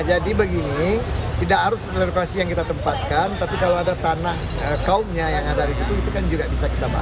jadi begini tidak harus relokasi yang kita tempatkan tapi kalau ada tanah kaumnya yang ada di situ itu kan juga bisa kita bawa